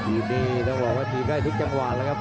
นี่ต้องบอกว่าทีมใกล้ทุกจังหวะแล้วครับ